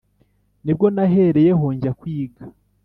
Ni bwo nahereyeho njya kwiga